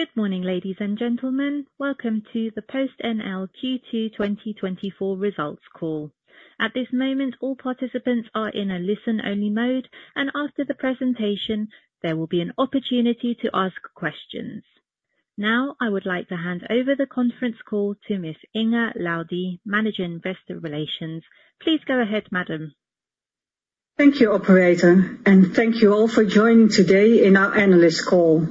Good morning, ladies and gentlemen. Welcome to the PostNL Q2 2024 Results Call. At this moment, all participants are in a listen-only mode, and after the presentation, there will be an opportunity to ask questions. Now, I would like to hand over the conference call to Ms. Inge Laudy, Manager, Investor Relations. Please go ahead, madam. Thank you, operator, and thank you all for joining today in our analyst call.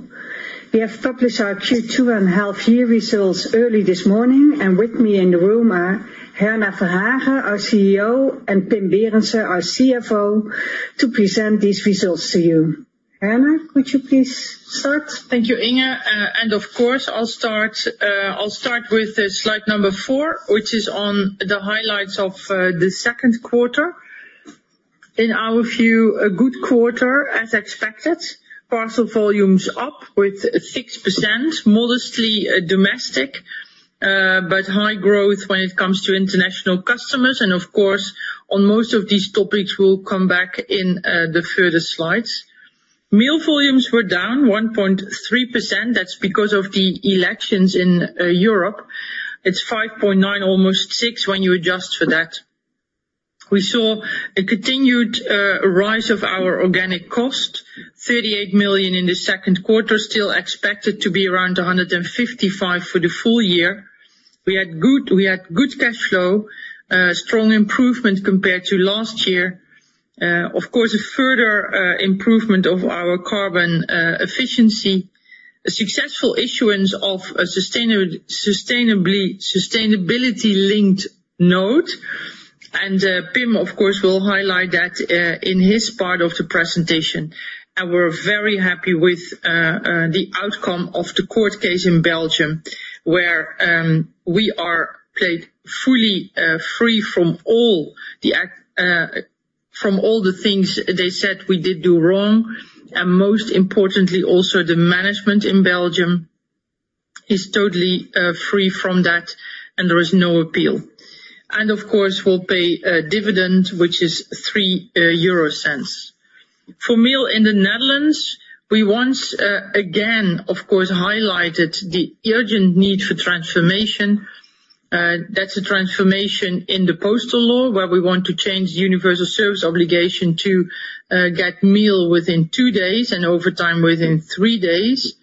We have published our Q2 and half year results early this morning, and with me in the room are Herna Verhagen, our CEO, and Pim Berendsen, our CFO, to present these results to you. Herna, could you please start? Thank you, Inge. And of course, I'll start with slide number 4, which is on the highlights of the second quarter. In our view, a good quarter as expected. Parcel volumes up 6%, modestly domestic, but high growth when it comes to international customers, and of course, on most of these topics, we'll come back in the further slides. Mail volumes were down 1.3%. That's because of the elections in Europe. It's 5.9, almost 6, when you adjust for that. We saw a continued rise of our organic cost, 38 million in the second quarter, still expected to be around 155 million for the full year. We had good cash flow, strong improvement compared to last year. Of course, a further improvement of our carbon efficiency, a successful issuance of a sustainability-linked note. And, Pim, of course, will highlight that in his part of the presentation. And we're very happy with the outcome of the court case in Belgium, where we are free from all the things they said we did do wrong, and most importantly, also the management in Belgium is totally free from that, and there is no appeal. And of course, we'll pay a dividend, which is 0.03. For mail in the Netherlands, we once again, of course, highlighted the urgent need for transformation. That's a transformation in the postal law, where we want to change Universal Service Obligation to get mail within two days and over time within three days.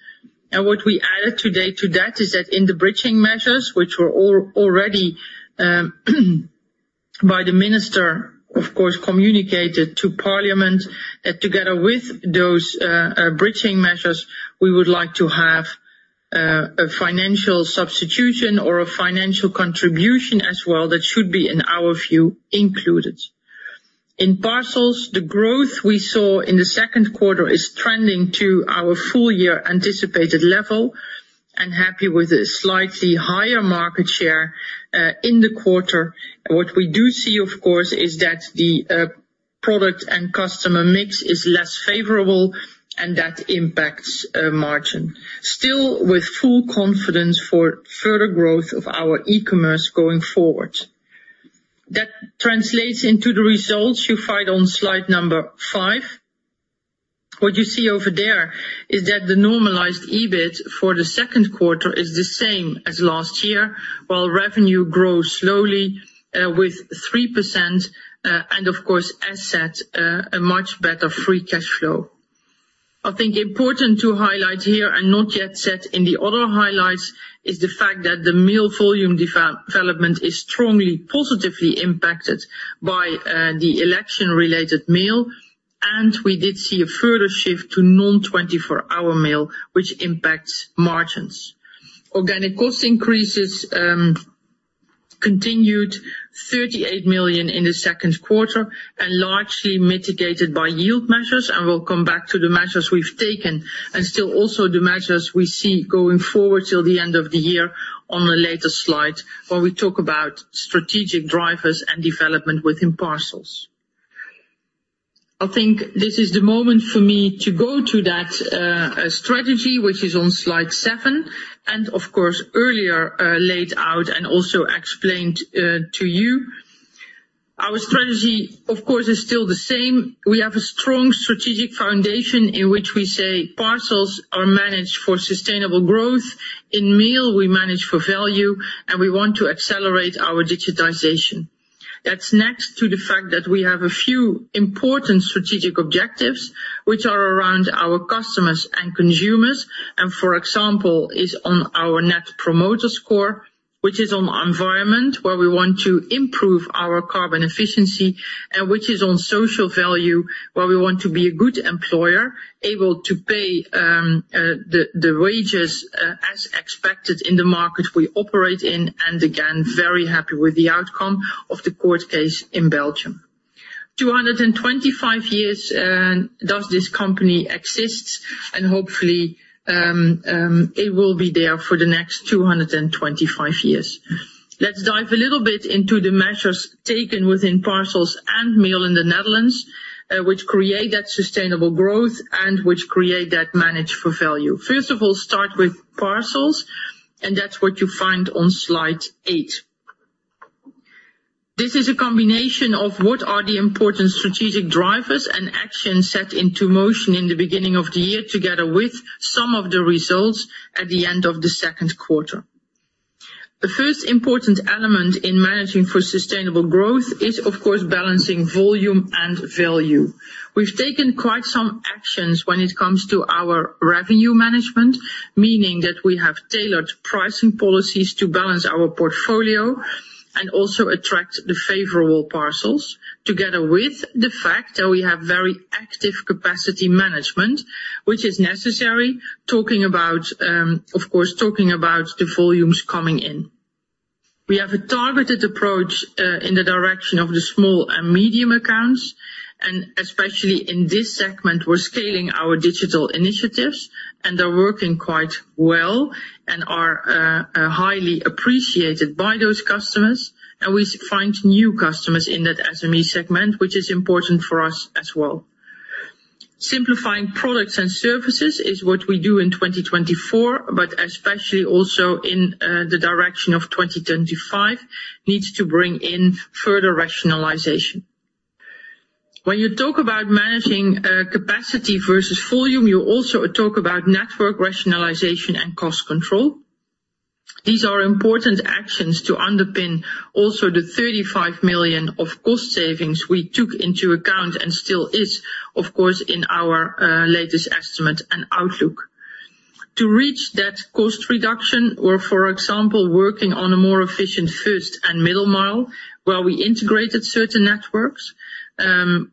And what we added today to that is that in the bridging measures, which were already by the minister, of course, communicated to parliament, that together with those bridging measures, we would like to have a financial substitution or a financial contribution as well. That should be, in our view, included. In parcels, the growth we saw in the second quarter is trending to our full year anticipated level, and happy with a slightly higher market share in the quarter. What we do see, of course, is that the product and customer mix is less favorable and that impacts margin. Still, with full confidence for further growth of our e-commerce going forward. That translates into the results you find on slide number 5. What you see over there is that the normalized EBIT for the second quarter is the same as last year, while revenue grows slowly with 3%, and of course, as said, a much better free cash flow. I think important to highlight here, and not yet said in the other highlights, is the fact that the mail volume development is strongly positively impacted by the election-related mail, and we did see a further shift to non-24-hour mail, which impacts margins. Organic cost increases continued 38 million in the second quarter and largely mitigated by yield measures, and we'll come back to the measures we've taken, and still also the measures we see going forward till the end of the year on a later slide, where we talk about strategic drivers and development within parcels. I think this is the moment for me to go to that strategy, which is on slide seven, and of course, earlier laid out and also explained to you. Our strategy, of course, is still the same. We have a strong strategic foundation in which we say parcels are managed for sustainable growth. In mail, we manage for value, and we want to accelerate our digitization. That's next to the fact that we have a few important strategic objectives, which are around our customers and consumers, and for example, is on our net promoter score, which is on environment, where we want to improve our carbon efficiency, and which is on social value, where we want to be a good employer, able to pay the wages as expected in the market we operate in, and again, very happy with the outcome of the court case in Belgium. 225 years does this company exist, and hopefully it will be there for the next 225 years. Let's dive a little bit into the measures taken within parcels and mail in the Netherlands, which create that sustainable growth and which create that manage for value. First of all, start with parcels, and that's what you find on slide eight. This is a combination of what are the important strategic drivers and actions set into motion in the beginning of the year, together with some of the results at the end of the second quarter. The first important element in managing for sustainable growth is, of course, balancing volume and value. We've taken quite some actions when it comes to our revenue management, meaning that we have tailored pricing policies to balance our portfolio, and also attract the favorable parcels, together with the fact that we have very active capacity management, which is necessary. Talking about, of course, the volumes coming in. We have a targeted approach in the direction of the small and medium accounts, and especially in this segment, we're scaling our digital initiatives, and they're working quite well and are highly appreciated by those customers. We find new customers in that SME segment, which is important for us as well. Simplifying products and services is what we do in 2024, but especially also in the direction of 2025, needs to bring in further rationalization. When you talk about managing capacity versus volume, you also talk about network rationalization and cost control. These are important actions to underpin also the 35 million of cost savings we took into account, and still is, of course, in our latest estimate and outlook. To reach that cost reduction, we're, for example, working on a more efficient first and middle mile, where we integrated certain networks.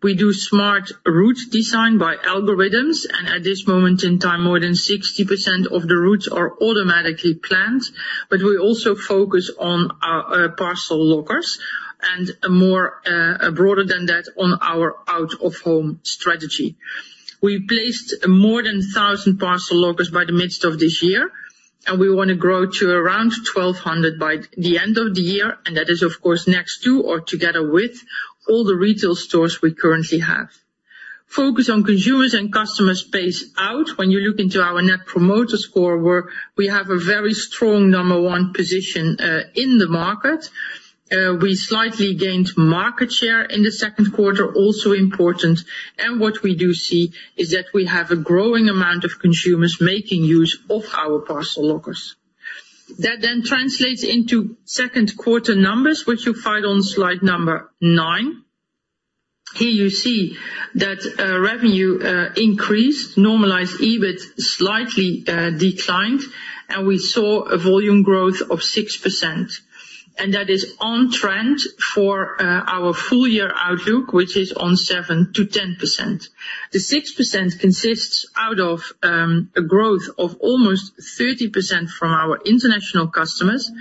We do smart route design by algorithms, and at this moment in time, more than 60% of the routes are automatically planned. But we also focus on our parcel lockers, and a more broader than that, on our out-of-home strategy. We placed more than 1,000 parcel lockers by the midst of this year, and we want to grow to around 1,200 by the end of the year, and that is, of course, next to or together with all the retail stores we currently have. Focus on consumers and customers pays out. When you look into our Net Promoter Score, where we have a very strong number one position in the market. We slightly gained market share in the second quarter, also important, and what we do see is that we have a growing amount of consumers making use of our parcel lockers. That then translates into second quarter numbers, which you find on slide number 9. Here you see that, revenue, increased, normalized EBIT slightly, declined, and we saw a volume growth of 6%. And that is on trend for, our full year outlook, which is on 7%-10%. The 6% consists out of, a growth of almost 30% from our international customers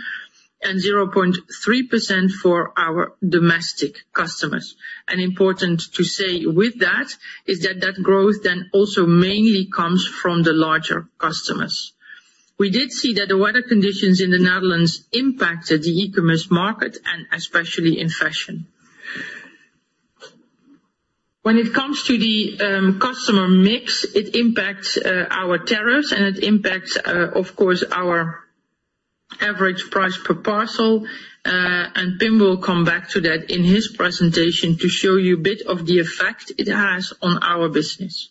and 0.3% for our domestic customers. And important to say with that, is that that growth then also mainly comes from the larger customers. We did see that the weather conditions in the Netherlands impacted the e-commerce market, and especially in fashion. When it comes to the customer mix, it impacts our tariffs, and it impacts of course our average price per parcel. And Pim will come back to that in his presentation to show you a bit of the effect it has on our business.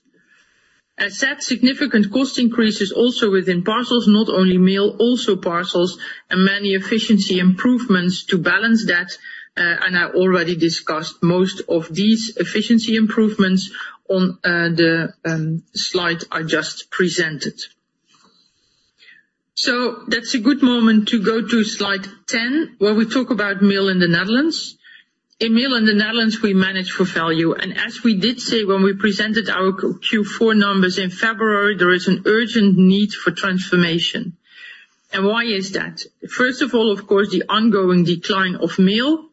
As said, significant cost increases also within parcels, not only mail, also parcels, and many efficiency improvements to balance that. And I already discussed most of these efficiency improvements on the slide I just presented. So that's a good moment to go to slide 10, where we talk about mail in the Netherlands. In mail in the Netherlands, we manage for value, and as we did say when we presented our Q4 numbers in February, there is an urgent need for transformation. And why is that? First of all, of course, the ongoing decline of mail,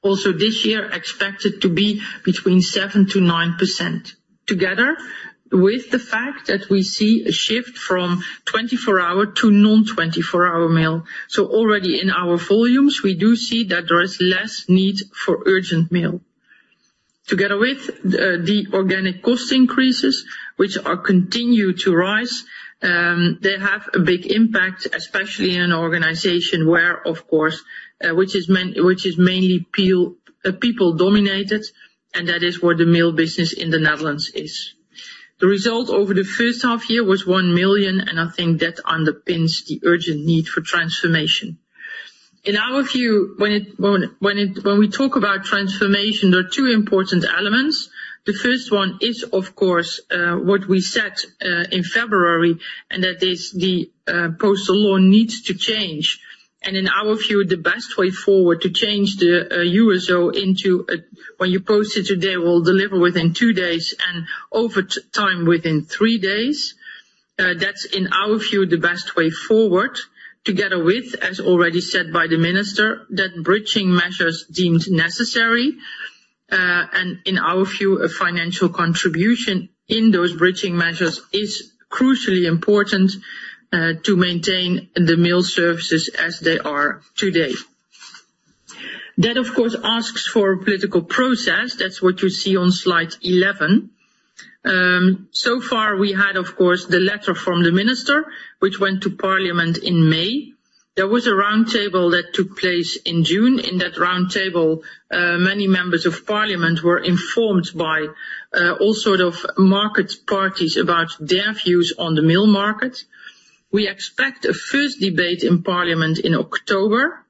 also this year expected to be between 7%-9%. Together with the fact that we see a shift from 24-hour to non-24-hour mail. So already in our volumes, we do see that there is less need for urgent mail. Together with the organic cost increases, which continue to rise, they have a big impact, especially in an organization where, of course, which is mainly people dominated, and that is where the mail business in the Netherlands is. The result over the first half year was 1 million, and I think that underpins the urgent need for transformation. In our view, when we talk about transformation, there are two important elements. The first one is, of course, what we said in February, and that is the postal law needs to change. In our view, the best way forward to change the USO into a, "When you post it today, we'll deliver within two days and over time, within three days." That's in our view, the best way forward, together with, as already said by the minister, that bridging measures deemed necessary, and in our view, a financial contribution in those bridging measures is crucially important, to maintain the mail services as they are today. That, of course, asks for a political process. That's what you see on slide 11. So far we had, of course, the letter from the minister, which went to parliament in May. There was a roundtable that took place in June. In that roundtable, many members of parliament were informed by all sort of market parties about their views on the mail market. We expect a first debate in parliament in October.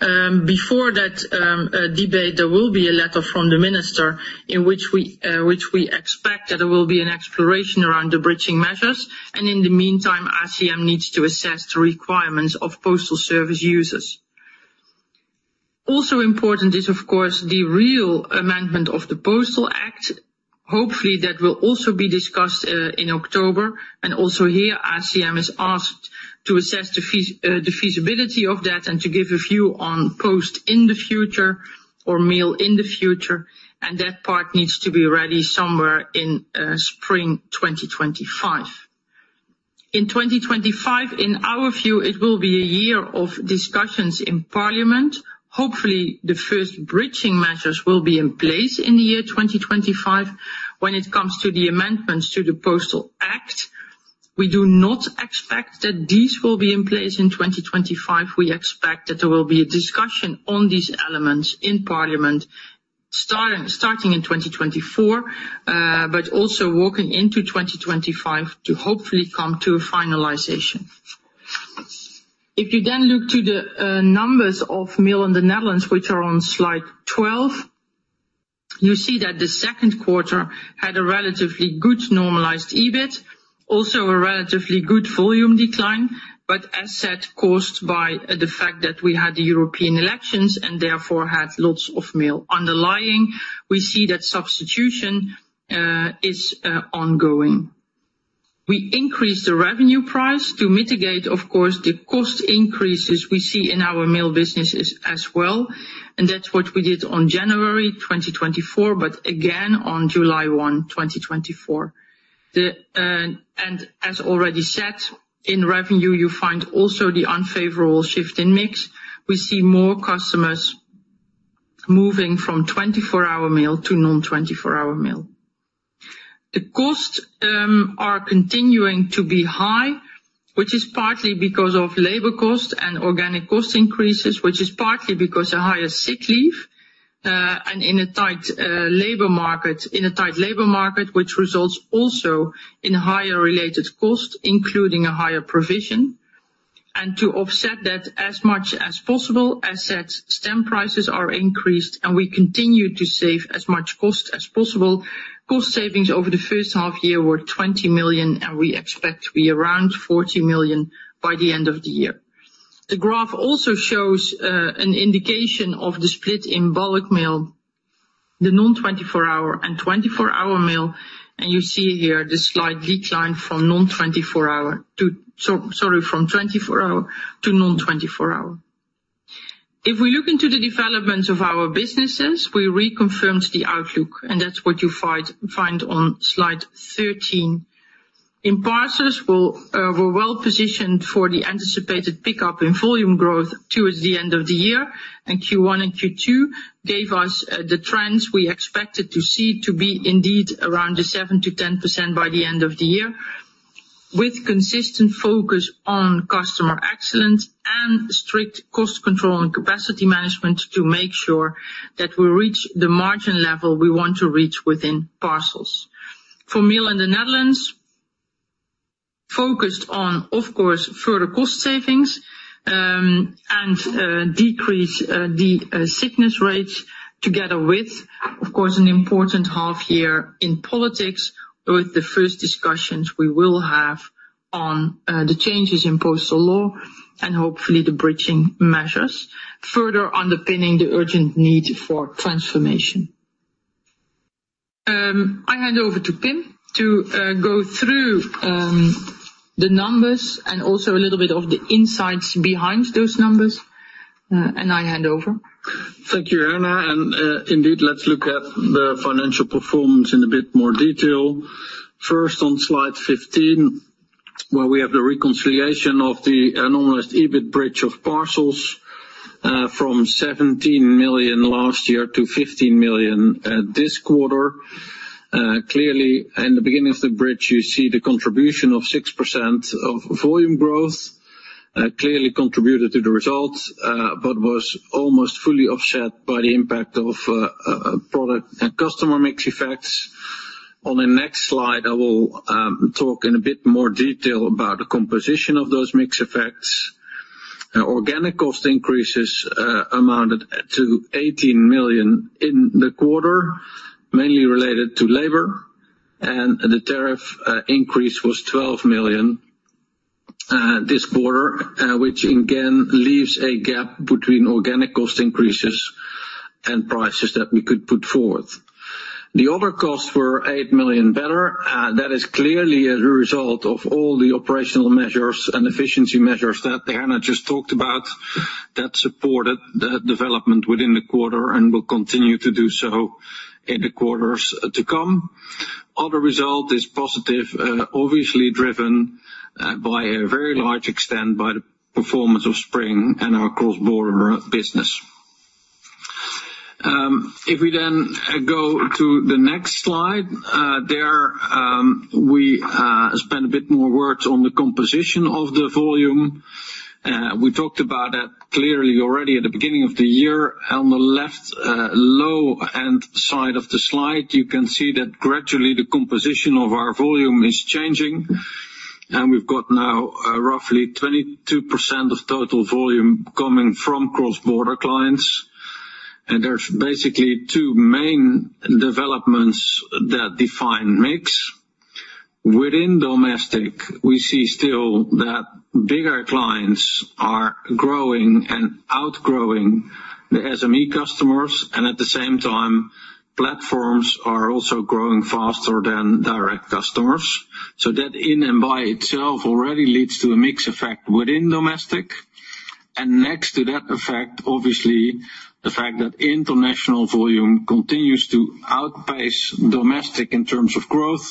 Before that debate, there will be a letter from the minister, in which we expect that there will be an exploration around the bridging measures, and in the meantime, ACM needs to assess the requirements of postal service users. Also important is, of course, the real amendment of the Postal Act. Hopefully, that will also be discussed in October, and also here, ACM is asked to assess the feasibility of that and to give a view on post in the future or mail in the future, and that part needs to be ready somewhere in spring 2025. In 2025, in our view, it will be a year of discussions in parliament. Hopefully, the first bridging measures will be in place in the year 2025. When it comes to the amendments to the Postal Act, we do not expect that these will be in place in 2025. We expect that there will be a discussion on these elements in parliament, starting in 2024, but also working into 2025 to hopefully come to a finalization. If you then look to the numbers of mail in the Netherlands, which are on slide 12, you see that the second quarter had a relatively good normalized EBIT, also a relatively good volume decline, but as said, caused by the fact that we had the European elections and therefore had lots of mail. Underlying, we see that substitution is ongoing. We increased the revenue price to mitigate, of course, the cost increases we see in our mail businesses as well, and that's what we did on January 2024, but again, on July 1, 2024. And as already said, in revenue, you find also the unfavorable shift in mix. We see more customers moving from 24-hour mail to non-24-hour mail. The costs are continuing to be high, which is partly because of labor costs and organic cost increases, which is partly because of higher sick leave, and in a tight labor market, in a tight labor market, which results also in higher related costs, including a higher provision. And to offset that as much as possible, as said, stamp prices are increased, and we continue to save as much cost as possible. Cost savings over the first half year were 20 million, and we expect to be around 40 million by the end of the year. The graph also shows an indication of the split in bulk mail, the non-24-hour and 24-hour mail, and you see here the slight decline from 24-hour to non-24-hour. If we look into the development of our businesses, we reconfirmed the outlook, and that's what you find on slide 13. In parcels, we're well positioned for the anticipated pickup in volume growth towards the end of the year, and Q1 and Q2 gave us the trends we expected to see to be indeed around the 7%-10% by the end of the year, with consistent focus on customer excellence and strict cost control and capacity management to make sure that we reach the margin level we want to reach within parcels. For mail in the Netherlands, focused on, of course, further cost savings and decrease the sickness rates together with, of course, an important half year in politics, with the first discussions we will have on the changes in postal law and hopefully the bridging measures, further underpinning the urgent need for transformation. I hand over to Pim to go through the numbers and also a little bit of the insights behind those numbers. And I hand over. Thank you, Herna. And, indeed, let's look at the financial performance in a bit more detail. First, on slide 15, where we have the reconciliation of the anomalous EBIT bridge of parcels, from 17 million last year to 15 million this quarter. Clearly, in the beginning of the bridge, you see the contribution of 6% of volume growth, clearly contributed to the results, but was almost fully offset by the impact of, product and customer mix effects. On the next slide, I will talk in a bit more detail about the composition of those mix effects. Organic cost increases amounted to 18 million in the quarter, mainly related to labor, and the tariff increase was 12 million this quarter, which again leaves a gap between organic cost increases and prices that we could put forward. The other costs were 8 million better. That is clearly as a result of all the operational measures and efficiency measures that Herna just talked about, that supported the development within the quarter and will continue to do so in the quarters to come. Other result is positive, obviously driven by a very large extent by the performance of Spring and our cross-border business. If we then go to the next slide, there we spend a bit more words on the composition of the volume. We talked about that clearly already at the beginning of the year. On the left low end side of the slide, you can see that gradually the composition of our volume is changing, and we've got now roughly 22% of total volume coming from cross-border clients. There's basically two main developments that define mix. Within domestic, we see still that bigger clients are growing and outgrowing the SME customers, and at the same time, platforms are also growing faster than direct customers. So that in and by itself already leads to a mix effect within domestic. And next to that effect, obviously, the fact that international volume continues to outpace domestic in terms of growth,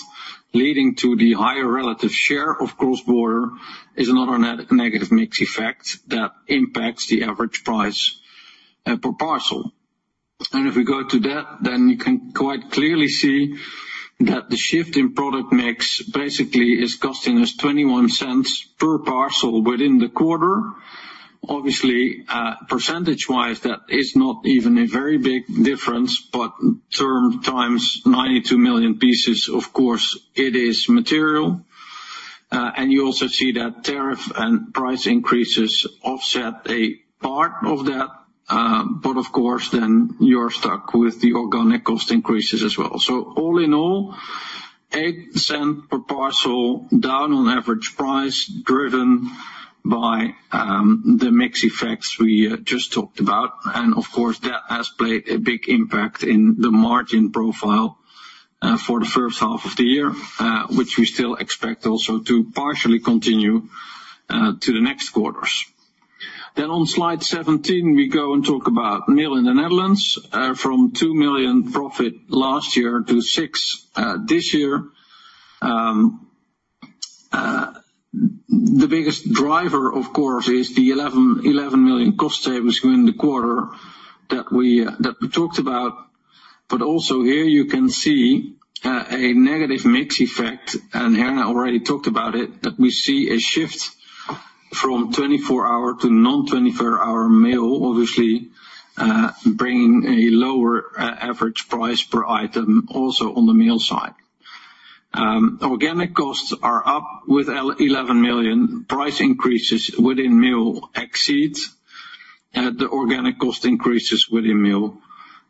leading to the higher relative share of cross-border, is another negative mix effect that impacts the average price per parcel. And if we go to that, then you can quite clearly see that the shift in product mix basically is costing us 0.21 per parcel within the quarter. Obviously, percentage-wise, that is not even a very big difference, but times 92 million pieces, of course, it is material. And you also see that tariff and price increases offset a part of that, but of course, then you are stuck with the organic cost increases as well. So all in all, 0.08 per parcel down on average price, driven by the mix effects we just talked about. And of course, that has played a big impact in the margin profile for the first half of the year, which we still expect also to partially continue to the next quarters. On slide 17, we go and talk about mail in the Netherlands, from 2 million profit last year to 6 million this year. The biggest driver, of course, is the 11 million cost savings during the quarter that we talked about. But also here you can see a negative mix effect, and Herna already talked about it, that we see a shift from 24-hour to non-24-hour mail, obviously bringing a lower average price per item also on the mail side. Organic costs are up with 11 million. Price increases within mail exceeds the organic cost increases within mail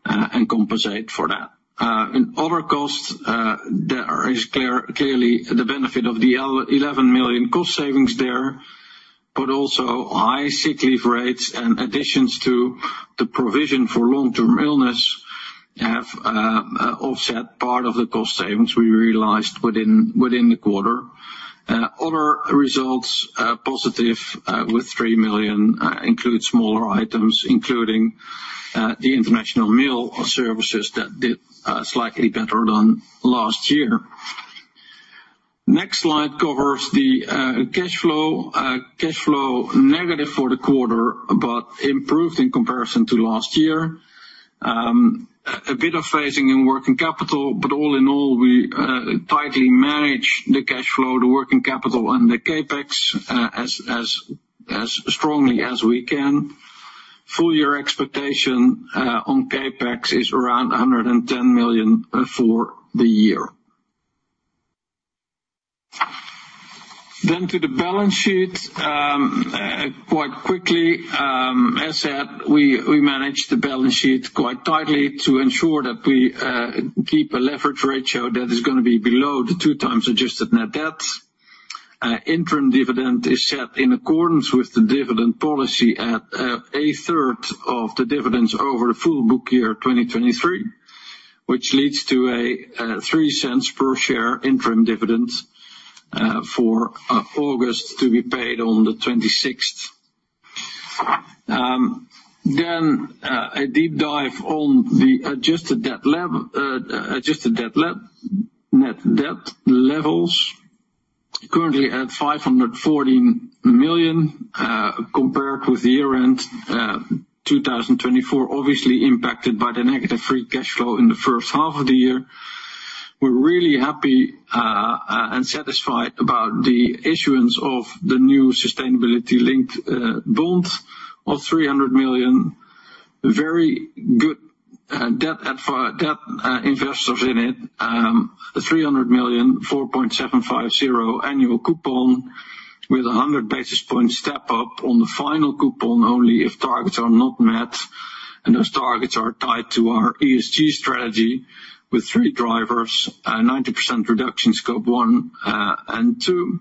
and compensate for that. In other costs, there is clearly the benefit of the 11 million cost savings there, but also high sick leave rates and additions to the provision for long-term illness have offset part of the cost savings we realized within the quarter. Other results positive with 3 million includes smaller items, including the international mail services that did slightly better than last year. Next slide covers the cash flow. Cash flow negative for the quarter, but improved in comparison to last year. A bit of phasing in working capital, but all in all, we tightly manage the cash flow, the working capital and the CapEx as strongly as we can. Full year expectation on CapEx is around 110 million for the year. To the balance sheet quite quickly, as said, we manage the balance sheet quite tightly to ensure that we keep a leverage ratio that is gonna be below the 2x adjusted net debt. Interim dividend is set in accordance with the dividend policy at a third of the dividends over the full book year 2023, which leads to a 0.03 per share interim dividend for August to be paid on the 26th. Then, a deep dive on the adjusted net debt levels, currently at 514 million, compared with the year-end 2024, obviously impacted by the negative free cash flow in the first half of the year. We're really happy and satisfied about the issuance of the new sustainability-linked bond of 300 million. Very good debt investors in it. 300 million, 4.750 annual coupon, with a 100 basis point step-up on the final coupon only if targets are not met. And those targets are tied to our ESG strategy with three drivers: 90% reduction in Scope 1 and 2,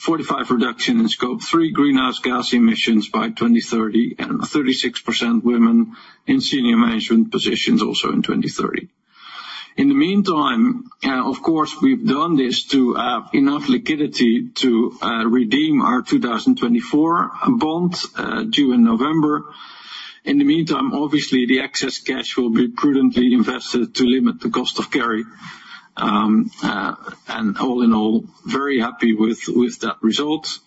45% reduction in Scope 3 greenhouse gas emissions by 2030, and 36% women in senior management positions also in 2030. In the meantime, of course, we've done this to have enough liquidity to redeem our 2024 bond due in November. In the meantime, obviously, the excess cash will be prudently invested to limit the cost of carry. And all in all, very happy with that result.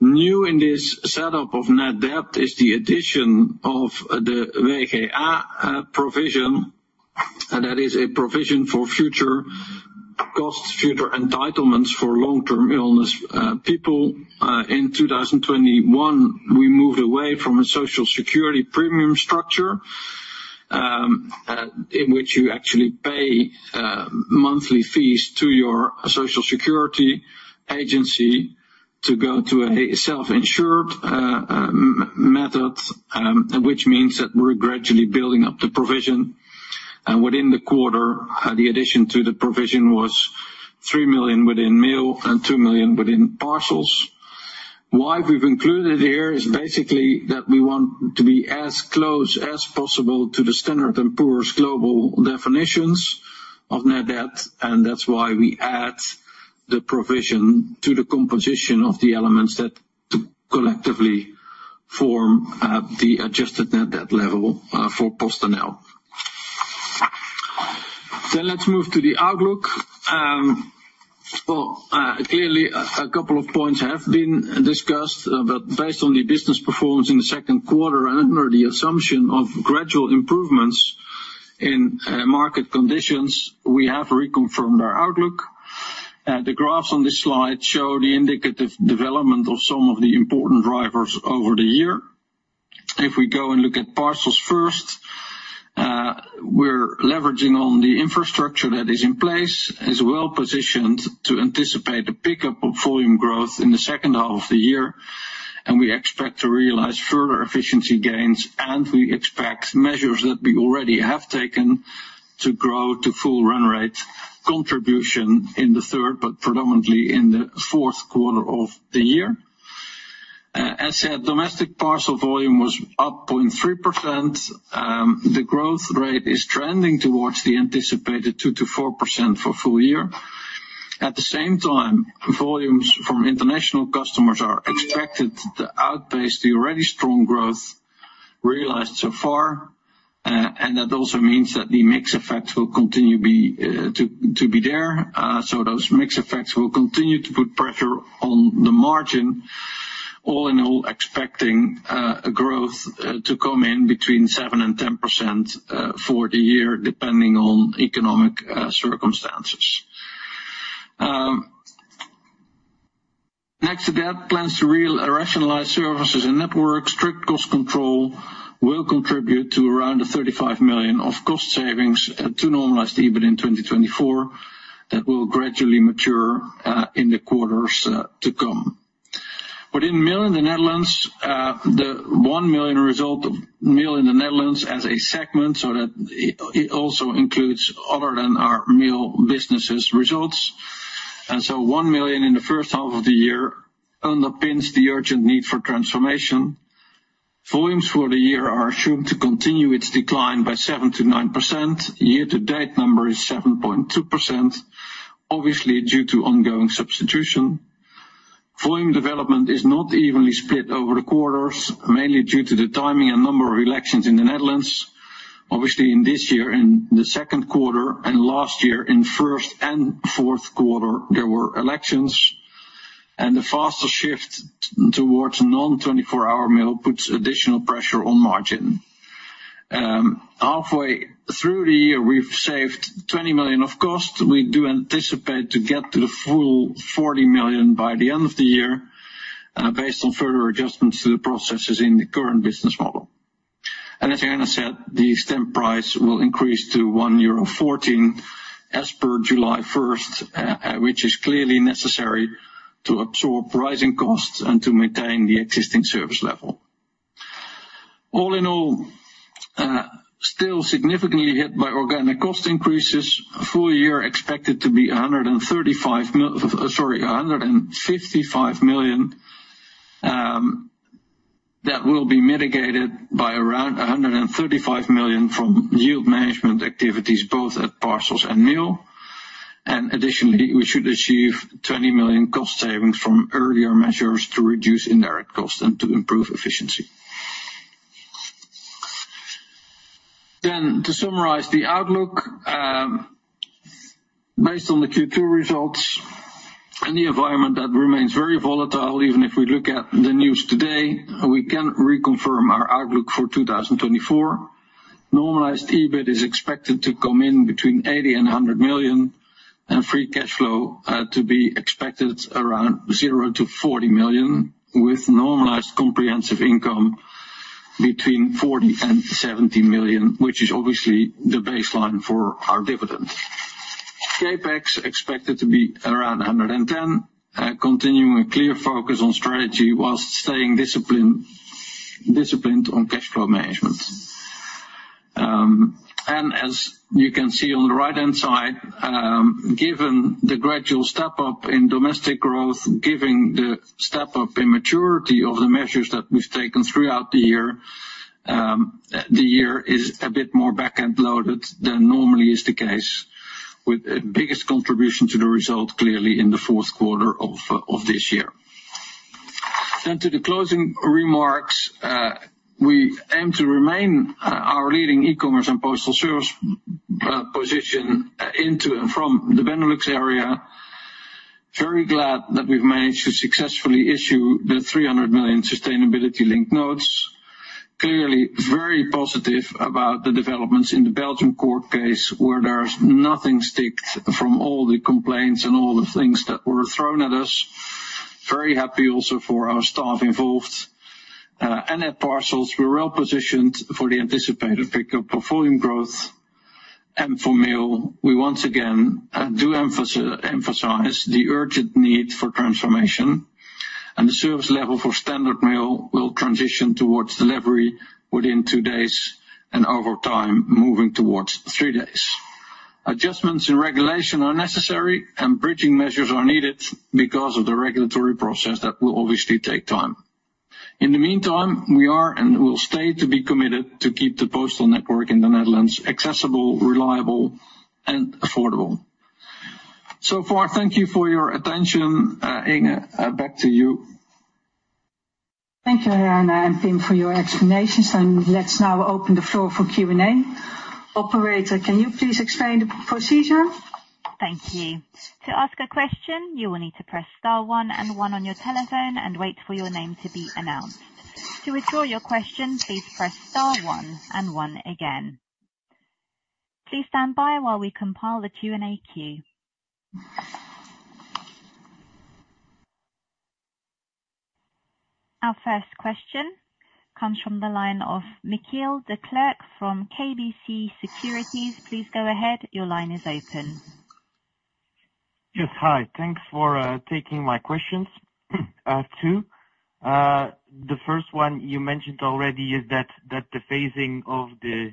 New in this setup of net debt is the addition of the WGA provision, and that is a provision for future costs, future entitlements for long-term illness people. In 2021, we moved away from a Social Security premium structure, in which you actually pay monthly fees to your Social Security agency to go to a self-insured method, which means that we're gradually building up the provision. And within the quarter, the addition to the provision was 3 million within mail and 2 million within parcels. Why we've included here is basically that we want to be as close as possible to the Standard & Poor's Global definitions of net debt, and that's why we add the provision to the composition of the elements that to collectively form the adjusted net debt level for PostNL. Then let's move to the outlook. Well, clearly a couple of points have been discussed, but based on the business performance in the second quarter and under the assumption of gradual improvements in market conditions, we have reconfirmed our outlook. The graphs on this slide show the indicative development of some of the important drivers over the year. If we go and look at parcels first, we're leveraging on the infrastructure that is in place, is well-positioned to anticipate a pickup of volume growth in the second half of the year, and we expect to realize further efficiency gains, and we expect measures that we already have taken to grow to full run rate contribution in the third, but predominantly in the fourth quarter of the year. As said, domestic parcel volume was up 0.3%. The growth rate is trending towards the anticipated 2%-4% for full year. At the same time, volumes from international customers are expected to outpace the already strong growth realized so far, and that also means that the mix effect will continue to be there. So those mix effects will continue to put pressure on the margin, all in all, expecting growth to come in between 7%-10% for the year, depending on economic circumstances. Next to that, plans to rationalize services and network, strict cost control will contribute to around 35 million of cost savings to normalized EBIT in 2024. That will gradually mature in the quarters to come. Within mail in the Netherlands, the 1 million result of mail in the Netherlands as a segment, so that it also includes other than our mail businesses results. And so 1 million in the first half of the year underpins the urgent need for transformation. Volumes for the year are assumed to continue its decline by 7%-9%. Year-to-date number is 7.2%, obviously, due to ongoing substitution. Volume development is not evenly split over the quarters, mainly due to the timing and number of elections in the Netherlands. Obviously, in this year, in the second quarter and last year, in first and fourth quarter, there were elections, and the faster shift towards non-24-hour mail puts additional pressure on margin. Halfway through the year, we've saved 20 million of cost. We do anticipate to get to the full 40 million by the end of the year, based on further adjustments to the processes in the current business model. As Herna said, the stamp price will increase to 1.14 euro as per July 1, which is clearly necessary to absorb rising costs and to maintain the existing service level. All in all, still significantly hit by organic cost increases. Full year expected to be 155 million, that will be mitigated by around 135 million from yield management activities, both at parcels and mail. Additionally, we should achieve 20 million cost savings from earlier measures to reduce indirect costs and to improve efficiency. Then to summarize the outlook, based on the Q2 results and the environment that remains very volatile, even if we look at the news today, we can reconfirm our outlook for 2024. Normalized EBIT is expected to come in between 80 million and 100 million, and free cash flow to be expected around 0- 40 million, with normalized comprehensive income between 40 million and 70 million, which is obviously the baseline for our dividend. CapEx expected to be around 110 million, continuing a clear focus on strategy while staying disciplined on cash flow management. And as you can see on the right-hand side, given the gradual step up in domestic growth, giving the step up in maturity of the measures that we've taken throughout the year,... The year is a bit more back-end loaded than normally is the case, with the biggest contribution to the result clearly in the fourth quarter of this year. Then to the closing remarks, we aim to remain our leading e-commerce and postal service position into and from the Benelux area. Very glad that we've managed to successfully issue the 300 million sustainability-linked notes. Clearly, very positive about the developments in the Belgian court case, where there's nothing stuck from all the complaints and all the things that were thrown at us. Very happy also for our staff involved. And at parcels, we're well positioned for the anticipated pickup of volume growth. For mail, we once again emphasize the urgent need for transformation, and the service level for standard mail will transition towards delivery within two days, and over time, moving towards three days. Adjustments in regulation are necessary, and bridging measures are needed because of the regulatory process that will obviously take time. In the meantime, we are and will stay to be committed to keep the postal network in the Netherlands accessible, reliable, and affordable. So far, thank you for your attention. Inge, back to you. Thank you, Herna and Pim, for your explanations, and let's now open the floor for Q&A. Operator, can you please explain the procedure? Thank you. To ask a question, you will need to press star one and one on your telephone and wait for your name to be announced. To withdraw your question, please press star one and one again. Please stand by while we compile the Q&A queue. Our first question comes from the line of Michiel Declercq from KBC Securities. Please go ahead. Your line is open. Yes, hi. Thanks for taking my questions. Two. The first one you mentioned already is that the phasing of the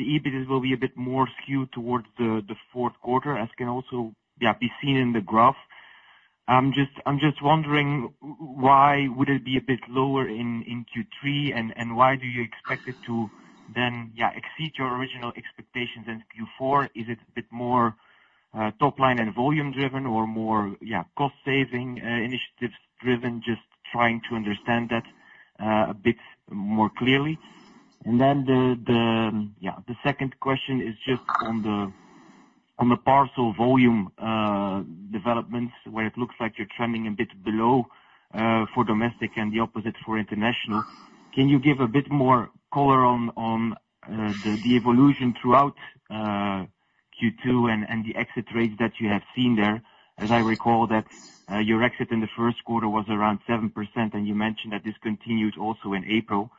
EBIT will be a bit more skewed towards the fourth quarter, as can also be seen in the graph. I'm just wondering why it would be a bit lower in Q3, and why do you expect it to then exceed your original expectations in Q4? Is it a bit more top line and volume driven or more cost saving initiatives driven? Just trying to understand that a bit more clearly. And then the second question is just on the parcel volume developments, where it looks like you're trending a bit below for domestic and the opposite for international. Can you give a bit more color on the evolution throughout Q2 and the exit rates that you have seen there? As I recall, your exit in the first quarter was around 7%, and you mentioned that this continued also in April.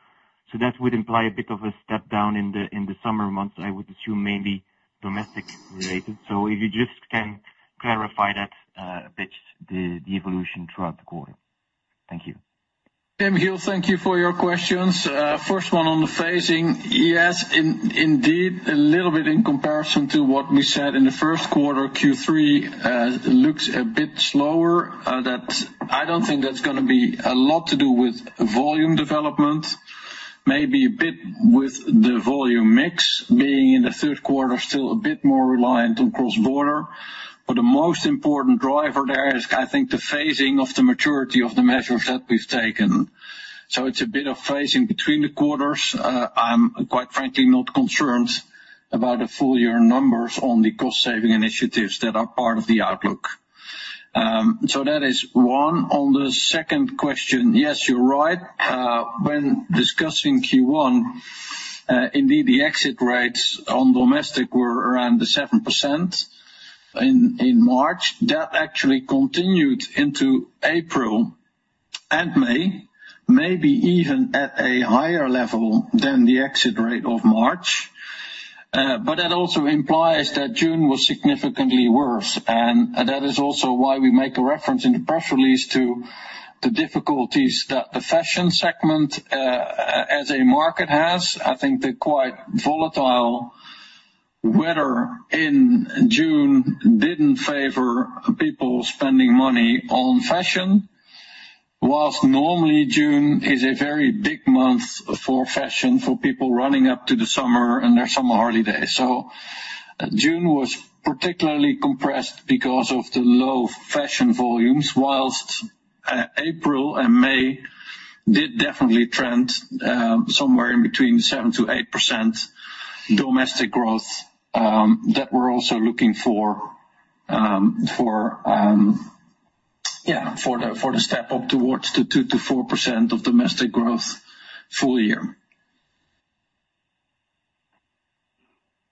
So that would imply a bit of a step down in the summer months, I would assume maybe domestic related. So if you just can clarify that a bit, the evolution throughout the quarter. Thank you. Michiel, thank you for your questions. First one on the phasing. Yes, indeed, a little bit in comparison to what we said in the first quarter, Q3 looks a bit slower. That, I don't think that's gonna be a lot to do with volume development. Maybe a bit with the volume mix being in the third quarter, still a bit more reliant on cross-border. But the most important driver there is, I think, the phasing of the maturity of the measures that we've taken. So it's a bit of phasing between the quarters. I'm quite frankly not concerned about the full year numbers on the cost saving initiatives that are part of the outlook. So that is one. On the second question, yes, you're right. When discussing Q1, indeed, the exit rates on domestic were around the 7% in March. That actually continued into April and May, maybe even at a higher level than the exit rate of March. But that also implies that June was significantly worse, and that is also why we make a reference in the press release to the difficulties that the fashion segment, as a market has. I think the quite volatile weather in June didn't favor people spending money on fashion, while normally June is a very big month for fashion, for people running up to the summer and their summer holidays. So June was particularly compressed because of the low fashion volumes, while April and May did definitely trend somewhere in between 7%-8% domestic growth that we're also looking for the step up towards the 2%-4% domestic growth full year.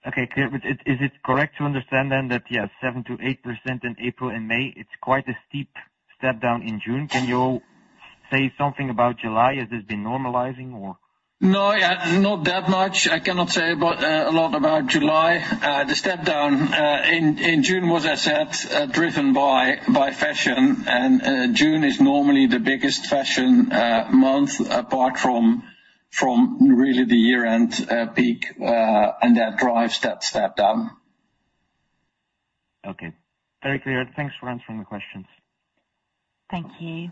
Okay, clear. But is it correct to understand then that, yes, 7%-8% in April and May, it's quite a steep step down in June. Can you say something about July? Has this been normalizing or? No, yeah, not that much. I cannot say a lot about July. The step down in June was, as I said, driven by fashion, and June is normally the biggest fashion month, apart from really the year-end peak, and that drives that step down.... Okay, very clear. Thanks for answering the questions. Thank you.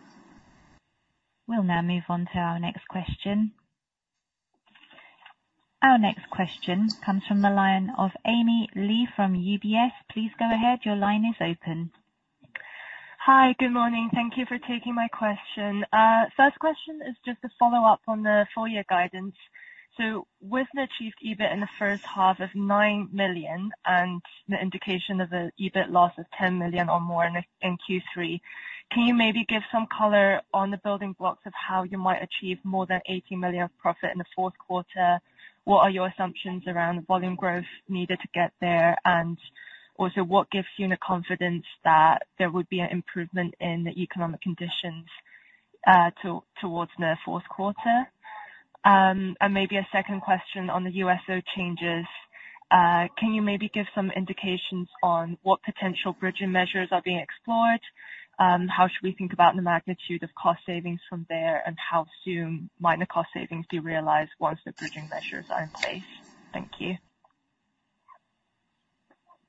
We'll now move on to our next question. Our next question comes from the line of Amy Li from UBS. Please go ahead. Your line is open. Hi, good morning. Thank you for taking my question. First question is just a follow-up on the full year guidance. So with the achieved EBIT in the first half of 9 million and the indication of an EBIT loss of 10 million or more in Q3, can you maybe give some color on the building blocks of how you might achieve more than 80 million of profit in the fourth quarter? What are your assumptions around the volume growth needed to get there? And also, what gives you the confidence that there would be an improvement in the economic conditions towards the fourth quarter? And maybe a second question on the USO changes. Can you maybe give some indications on what potential bridging measures are being explored? How should we think about the magnitude of cost savings from there? How soon might the cost savings be realized once the bridging measures are in place? Thank you.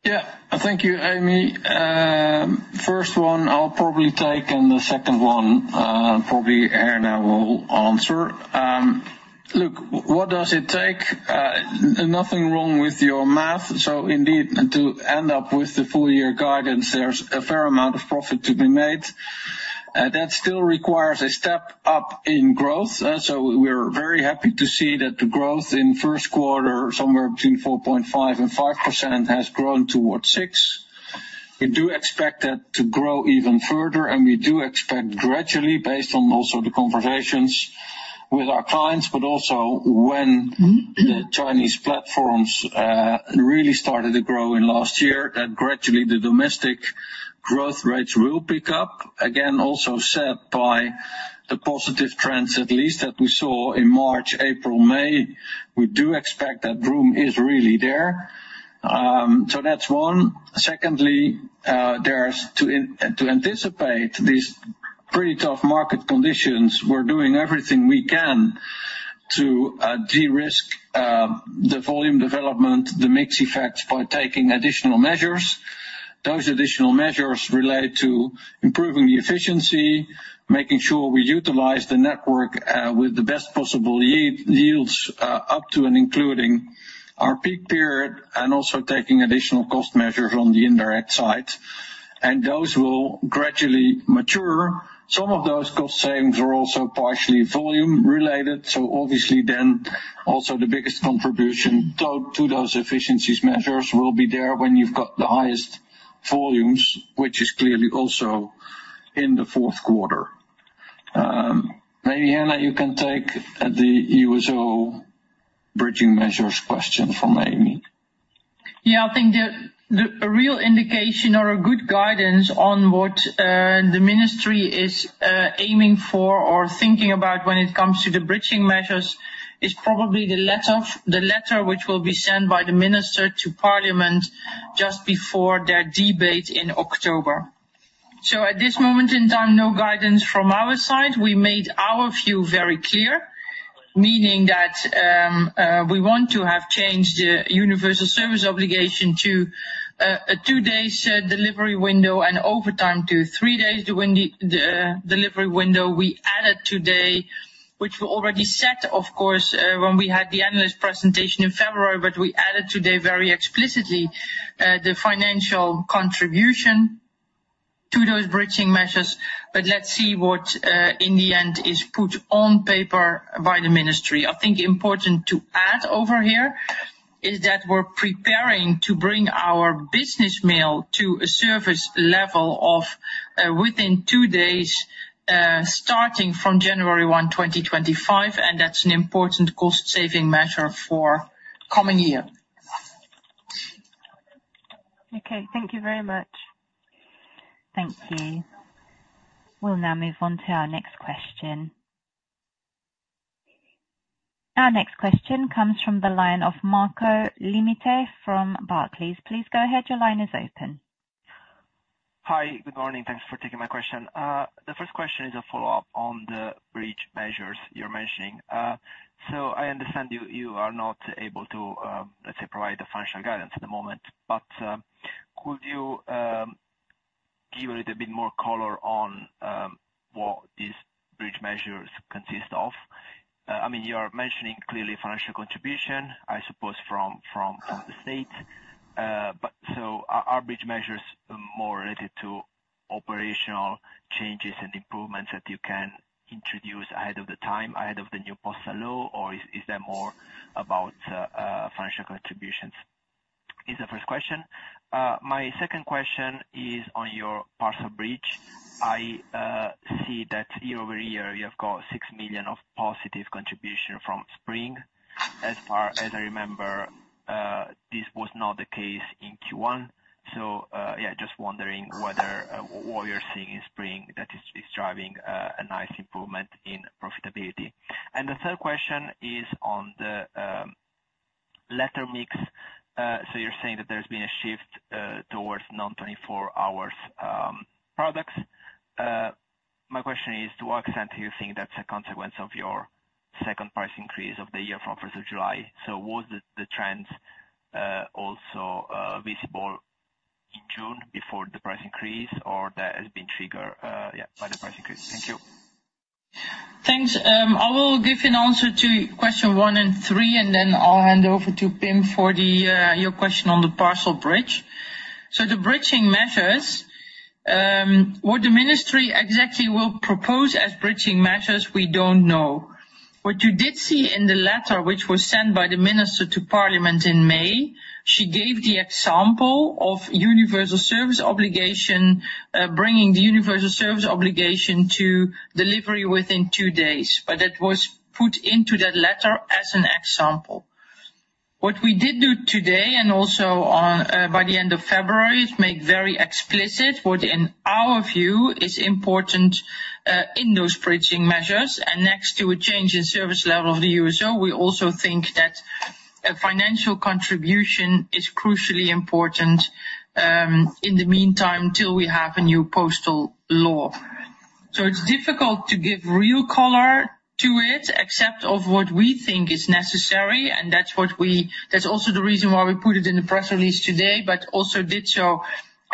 Yeah. Thank you, Amy. First one I'll probably take, and the second one, probably Herna will answer. Look, what does it take? Nothing wrong with your math. So indeed, to end up with the full year guidance, there's a fair amount of profit to be made. That still requires a step up in growth. So we're very happy to see that the growth in first quarter, somewhere between 4.5% and 5%, has grown towards 6%. We do expect that to grow even further, and we do expect gradually, based on also the conversations with our clients, but also when the Chinese platforms really started to grow in last year, that gradually the domestic growth rates will pick up. Again, also set by the positive trends, at least, that we saw in March, April, May. We do expect that room is really there. So that's one. Secondly, to anticipate these pretty tough market conditions, we're doing everything we can to de-risk the volume development, the mix effect, by taking additional measures. Those additional measures relate to improving the efficiency, making sure we utilize the network with the best possible yields up to and including our peak period, and also taking additional cost measures on the indirect side. And those will gradually mature. Some of those cost savings are also partially volume related, so obviously then, also the biggest contribution to those efficiencies measures will be there when you've got the highest volumes, which is clearly also in the fourth quarter. Maybe, Herna, you can take the USO bridging measures question from Amy. Yeah, I think a real indication or a good guidance on what the ministry is aiming for or thinking about when it comes to the bridging measures is probably the letter which will be sent by the minister to parliament just before their debate in October. So at this moment in time, no guidance from our side. We made our view very clear, meaning that we want to have changed the Universal Service Obligation to a 2-day delivery window, and over time, to 3 days to win the delivery window. We added today, which we already set, of course, when we had the analyst presentation in February, but we added today very explicitly the financial contribution to those bridging measures. But let's see what in the end is put on paper by the ministry. I think important to add over here, is that we're preparing to bring our business mail to a service level of, within two days, starting from January 1, 2025, and that's an important cost saving measure for coming year. Okay. Thank you very much. Thank you. We'll now move on to our next question. Our next question comes from the line of Marco Limite from Barclays. Please go ahead, your line is open. Hi, good morning. Thanks for taking my question. The first question is a follow-up on the bridge measures you're mentioning. So I understand you, you are not able to, let's say, provide the financial guidance at the moment, but, could you, give a little bit more color on, what these bridge measures consist of? I mean, you are mentioning clearly financial contribution, I suppose from the state, but so are bridge measures more related to operational changes and improvements that you can introduce ahead of the time, ahead of the new postal law, or is, is that more about, financial contributions? Is the first question. My second question is on your parcel bridge. I see that year-over-year, you have got 6 million of positive contribution from Spring. As far as I remember, this was not the case in Q1. So, yeah, just wondering whether, what you're seeing in Spring that is, is driving, a nice improvement in profitability. And the third question is on the, letter mix. So you're saying that there's been a shift, towards non-24-hour, products. My question is, to what extent do you think that's a consequence of your second price increase of the year from first of July? So was the, the trends, also, visible in June before the price increase, or that has been triggered, yeah, by the price increase? Thank you. Thanks. I will give an answer to question one and three, and then I'll hand over to Pim for the, your question on the parcel bridge. So the bridging measures, what the ministry exactly will propose as bridging measures, we don't know. What you did see in the letter which was sent by the minister to parliament in May, she gave the example of Universal Service Obligation, bringing the Universal Service Obligation to delivery within two days, but that was put into that letter as an example. What we did do today, and also on, by the end of February, is make very explicit what in our view is important, in those bridging measures. Next to a change in service level of the USO, we also think that a financial contribution is crucially important, in the meantime, till we have a new postal law. So it's difficult to give real color to it, except of what we think is necessary, and that's also the reason why we put it in the press release today, but also did so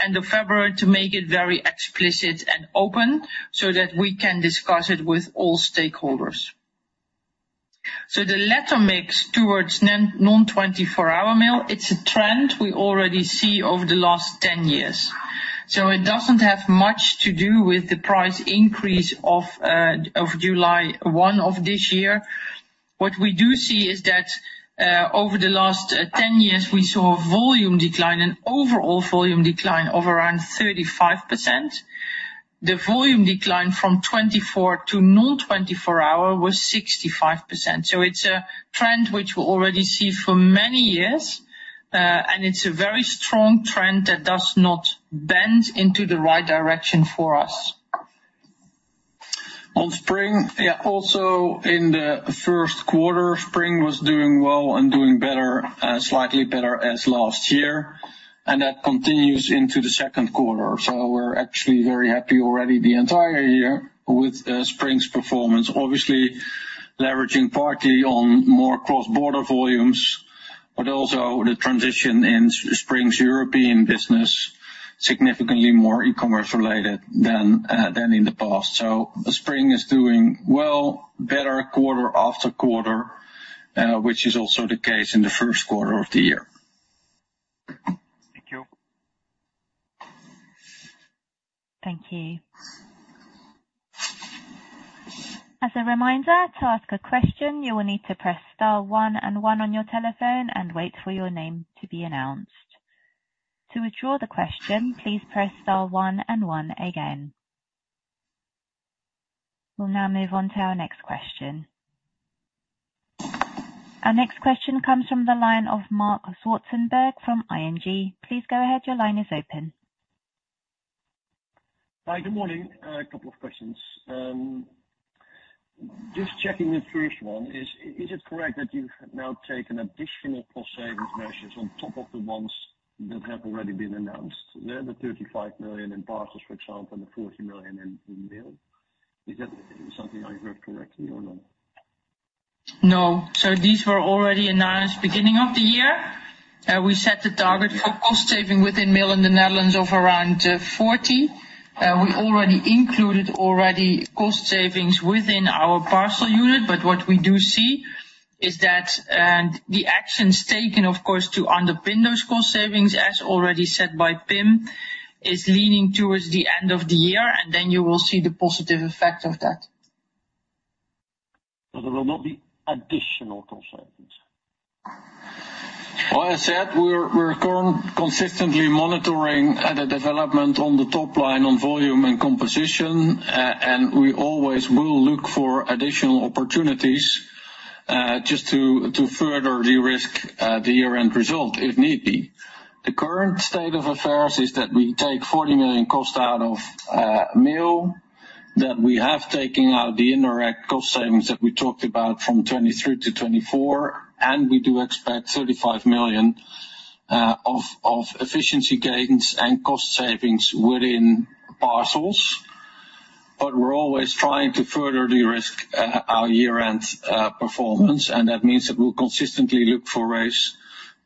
end of February to make it very explicit and open so that we can discuss it with all stakeholders. So the letter mix towards non-24-hour mail, it's a trend we already see over the last 10 years. So it doesn't have much to do with the price increase of July 1 of this year. What we do see is that, over the last 10 years, we saw a volume decline, an overall volume decline of around 35%. The volume decline from 24-hour to non-24-hour was 65%. So it's a trend which we already see for many years, and it's a very strong trend that does not bend into the right direction for us. On Spring, yeah, also in the first quarter, Spring was doing well and doing better, slightly better as last year, and that continues into the second quarter. So we're actually very happy already the entire year with Spring's performance. Obviously, leveraging partly on more cross-border volumes, but also the transition in Spring's European business, significantly more e-commerce related than in the past. So Spring is doing well, better quarter after quarter, which is also the case in the first quarter of the year. Thank you. Thank you. As a reminder, to ask a question, you will need to press star one and one on your telephone and wait for your name to be announced. To withdraw the question, please press star one and one again. We'll now move on to our next question. Our next question comes from the line of Marc Zwartsenburg from ING. Please go ahead. Your line is open. Hi, good morning. A couple of questions. Just checking the first one, is it correct that you've now taken additional cost savings measures on top of the ones that have already been announced? They are the 35 million in parcels, for example, and the 40 million in mail. Is that something I heard correctly or no? No. So these were already announced beginning of the year. We set the target for cost saving within mail in the Netherlands of around 40. We already included already cost savings within our parcel unit, but what we do see is that the actions taken, of course, to underpin those cost savings, as already said by Pim, is leaning towards the end of the year, and then you will see the positive effect of that. There will not be additional cost savings? Well, as I said, we're consistently monitoring the development on the top line on volume and composition, and we always will look for additional opportunities just to further de-risk the year-end result, if need be. The current state of affairs is that we take 40 million cost out of mail, that we have taken out the indirect cost savings that we talked about from 2023 to 2024, and we do expect 35 million of efficiency gains and cost savings within parcels. But we're always trying to further de-risk our year-end performance, and that means that we'll consistently look for ways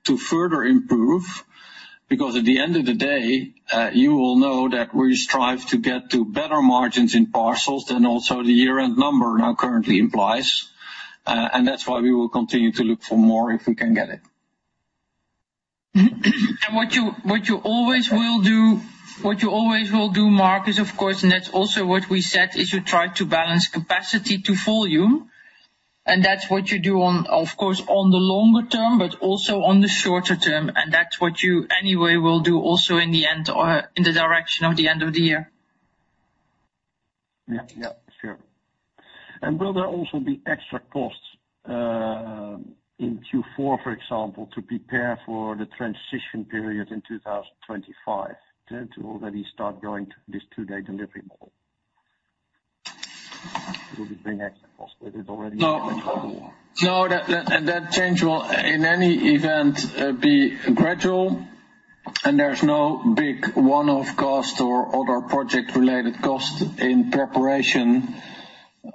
to further improve. Because at the end of the day, you will know that we strive to get to better margins in parcels than also the year-end number now currently implies, and that's why we will continue to look for more if we can get it. What you always will do, Marc, is, of course, and that's also what we said, is you try to balance capacity to volume, and that's what you do on, of course, on the longer term, but also on the shorter term, and that's what you anyway will do also in the end or in the direction of the end of the year. Yeah. Yeah, sure. And will there also be extra costs in Q4, for example, to prepare for the transition period in 2025, to already start going to this two-day delivery model? It will be an extra cost, but it is already- No, no, that, that, and that change will in any event be gradual, and there's no big one-off cost or other project-related costs in preparation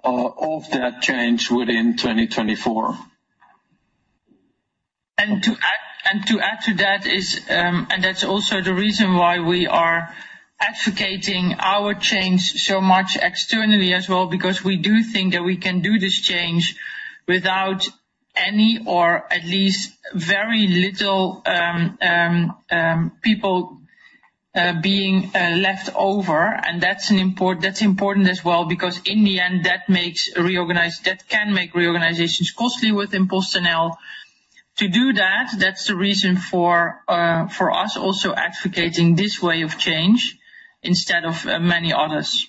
of that change within 2024. And to add to that is, and that's also the reason why we are advocating our change so much externally as well, because we do think that we can do this change without any or at least very little people being left over. And that's important as well, because in the end, that makes reorganizations costly within PostNL. To do that, that's the reason for us also advocating this way of change instead of many others.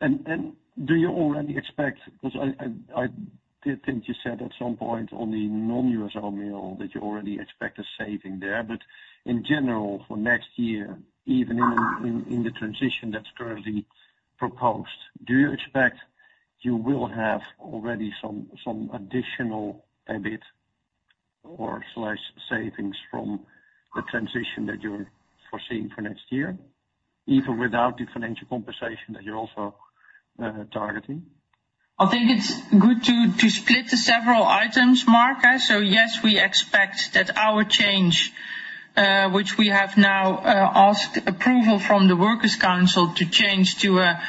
Do you already expect, because I did think you said at some point on the non-USO mail, that you already expect a saving there? But in general, for next year, even in the transition that's currently proposed, do you expect you will have already some additional EBIT or slash savings from the transition that you're foreseeing for next year, even without the financial compensation that you're also targeting? I think it's good to split the several items, Mark. So yes, we expect that our change, which we have now asked approval from the Workers' Council to change to a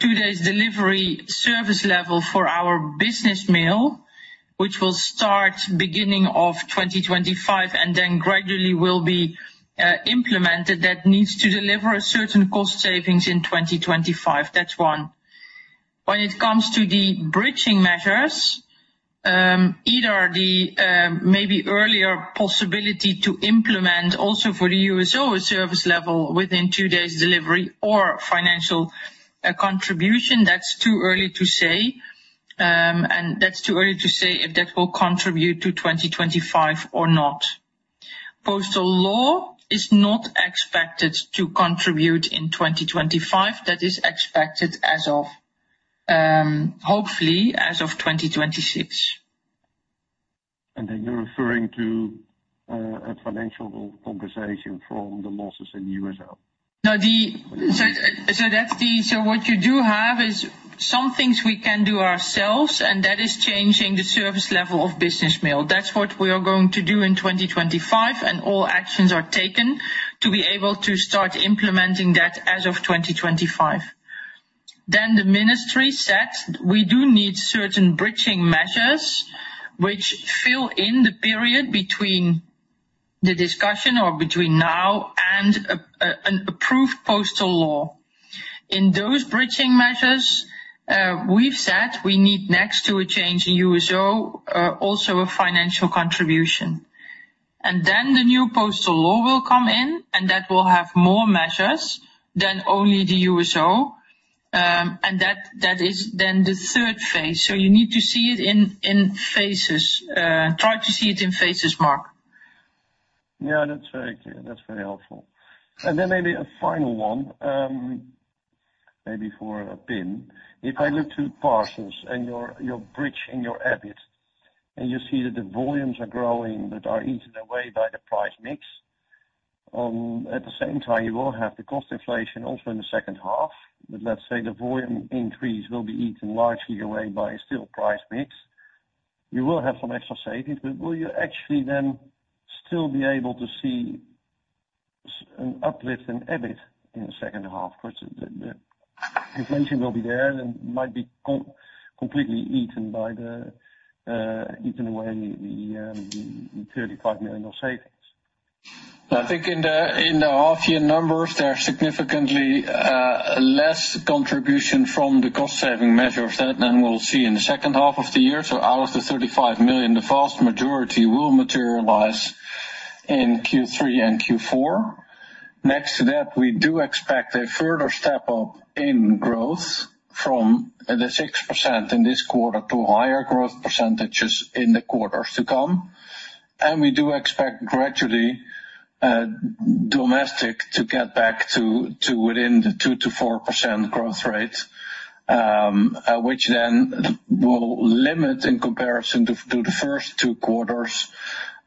two-days delivery service level for our business mail, which will start beginning of 2025 and then gradually will be implemented. That needs to deliver a certain cost savings in 2025. That's one. When it comes to the bridging measures, either the maybe earlier possibility to implement also for the USO service level within two days delivery or financial contribution, that's too early to say. And that's too early to say if that will contribute to 2025 or not. Postal law is not expected to contribute in 2025. That is expected as of hopefully as of 2026. And then you're referring to a financial compensation from the losses in the USO? No. So, that's what you do have is some things we can do ourselves, and that is changing the service level of business mail. That's what we are going to do in 2025, and all actions are taken to be able to start implementing that as of 2025. Then the ministry said, we do need certain bridging measures which fill in the period between the discussion or between now and an approved postal law. In those bridging measures, we've said we need next to a change in USO, also a financial contribution. And then the new postal law will come in, and that will have more measures than only the USO. And that is then the third phase. So you need to see it in phases, try to see it in phases, Marc. Yeah, that's very clear. That's very helpful. And then maybe a final one, maybe for Pim. If I look to parcels and your, your bridge and your EBIT, and you see that the volumes are growing but are eaten away by the price mix, at the same time, you will have the cost inflation also in the second half. But let's say the volume increase will be eaten largely away by still price mix. You will have some extra savings, but will you actually then still be able to see an uplift in EBIT in the second half? Of course, the, the inflation will be there and might be completely eaten away by the 35 million of savings. I think in the, in the half year numbers, there are significantly less contribution from the cost-saving measures than, than we'll see in the second half of the year. So out of the 35 million, the vast majority will materialize in Q3 and Q4. Next to that, we do expect a further step up in growth from the 6% in this quarter to higher growth percentages in the quarters to come. And we do expect gradually domestic to get back to, to within the 2%-4% growth rate, which then will limit in comparison to, to the first two quarters,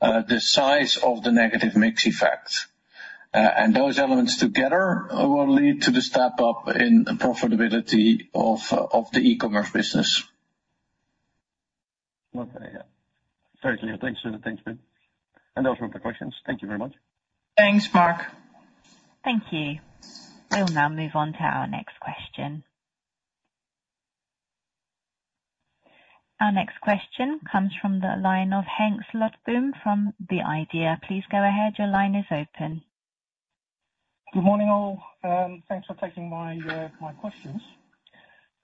the size of the negative mix effect. And those elements together will lead to the step up in profitability of, of the e-commerce business. Okay. Yeah. Very clear. Thanks for that. Thanks, Pim. And those were the questions. Thank you very much. Thanks, Mark. Thank you. We'll now move on to our next question. Our next question comes from the line of Henk Slotboom, from The Idea. Please go ahead. Your line is open. Good morning, all. Thanks for taking my questions.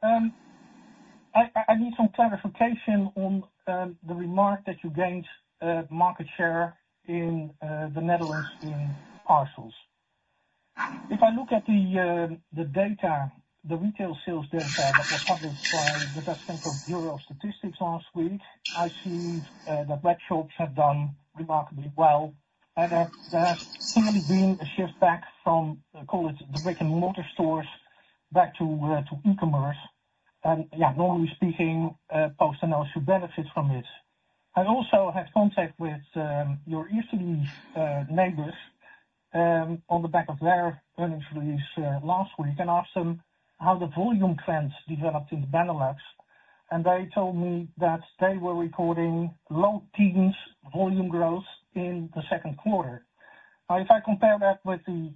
I need some clarification on the remark that you gained market share in the Netherlands in parcels. If I look at the data, the retail sales data that was published by Statistics Netherlands last week, I see that web shops have done remarkably well, and there has clearly been a shift back from, call it, brick-and-mortar stores back to e-commerce. And yeah, normally speaking, PostNL should benefit from this.... I also had contact with your eastern neighbors on the back of their earnings release last week, and asked them how the volume trends developed in the Benelux. And they told me that they were recording low teens volume growth in the second quarter. Now, if I compare that with the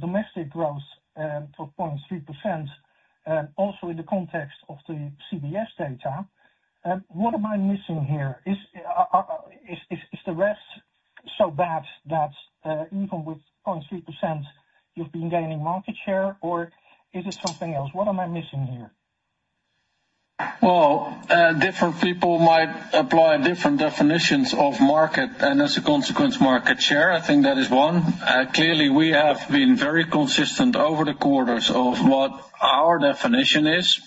domestic growth of 0.3%, also in the context of the CBS data, what am I missing here? Is the rest so bad that even with 0.3% you've been gaining market share or is it something else? What am I missing here? Well, different people might apply different definitions of market, and as a consequence, market share. I think that is one. Clearly, we have been very consistent over the quarters of what our definition is,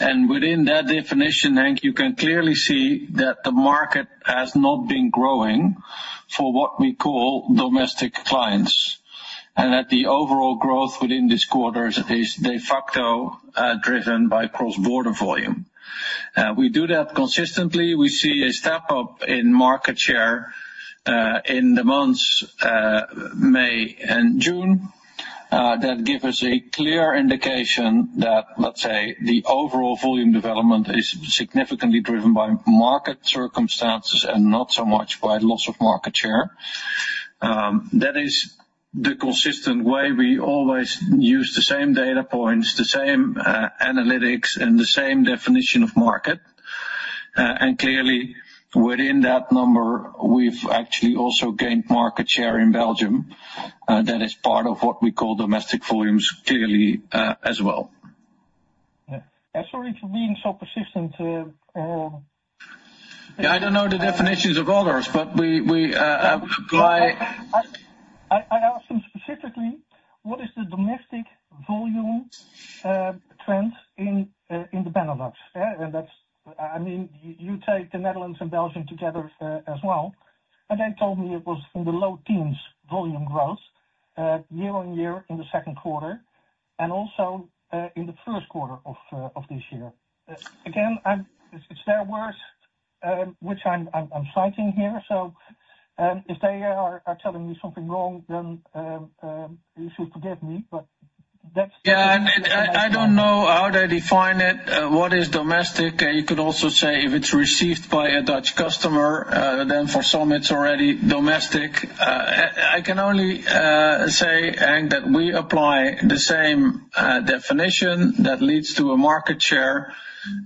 and within that definition, Henk, you can clearly see that the market has not been growing for what we call domestic clients, and that the overall growth within this quarter is de facto driven by cross-border volume. We do that consistently. We see a step up in market share in the months May and June. That give us a clear indication that, let's say, the overall volume development is significantly driven by market circumstances and not so much by loss of market share. That is the consistent way. We always use the same data points, the same analytics, and the same definition of market. Clearly, within that number, we've actually also gained market share in Belgium, that is part of what we call domestic volumes, clearly, as well. Yeah. I'm sorry for being so persistent. Yeah, I don't know the definitions of others, but we apply- I asked them specifically, what is the domestic volume trends in the Benelux? Yeah, and that's... I mean, you take the Netherlands and Belgium together, as well, and they told me it was in the low teens volume growth, year-on-year in the second quarter, and also, in the first quarter of this year. Again, I'm—it's their words, which I'm citing here, so, if they are telling me something wrong, then, you should forgive me, but that's- Yeah, and I don't know how they define it, what is domestic. You could also say, if it's received by a Dutch customer, then for some, it's already domestic. I can only say, and that we apply the same definition that leads to a market share,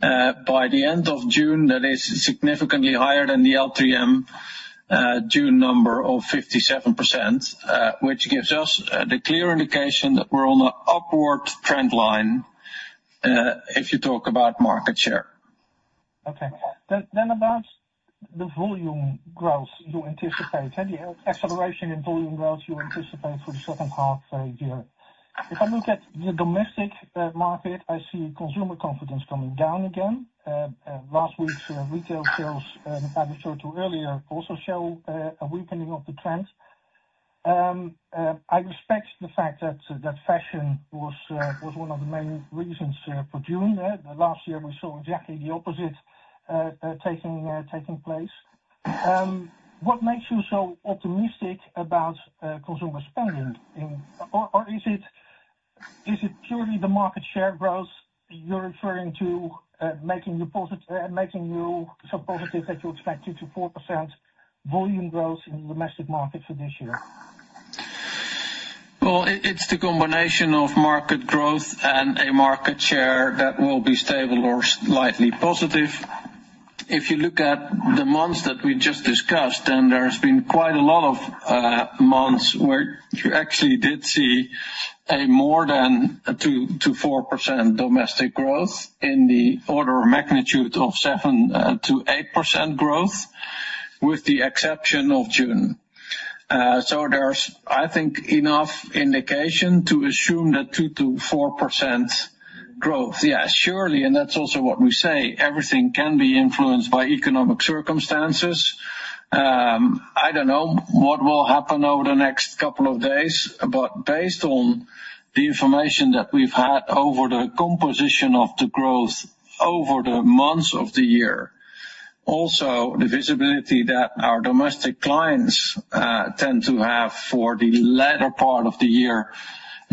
by the end of June that is significantly higher than the LTM June number of 57%, which gives us the clear indication that we're on an upward trend line, if you talk about market share. Okay. Then about the volume growth you anticipate, and the acceleration in volume growth you anticipate for the second half of the year. If I look at the domestic market, I see consumer confidence coming down again. Last week's retail sales, I referred to earlier, also show a weakening of the trend. I respect the fact that fashion was one of the main reasons for June. Last year we saw exactly the opposite taking place. What makes you so optimistic about consumer spending? Or is it purely the market share growth you're referring to, making you so positive that you expect 2%-4% volume growth in the domestic market for this year? Well, it's the combination of market growth and a market share that will be stable or slightly positive. If you look at the months that we just discussed, then there's been quite a lot of months where you actually did see more than 2%-4% domestic growth in the order of magnitude of 7%-8% growth, with the exception of June. So there's, I think, enough indication to assume that 2%-4% growth. Yes, surely, and that's also what we say, everything can be influenced by economic circumstances. I don't know what will happen over the next couple of days, but based on the information that we've had over the composition of the growth over the months of the year, also the visibility that our domestic clients tend to have for the latter part of the year,